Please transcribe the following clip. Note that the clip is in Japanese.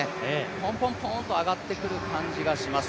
ぽんぽんぽんと上がってくる感じがします。